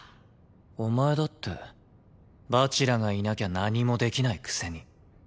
お前だって蜂楽がいなきゃ何もできないくせに。